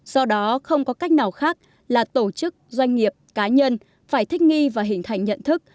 do đó không có cách nào khác là tổ chức doanh nghiệp cá nhân phải thích nghi và hình thành nhận thức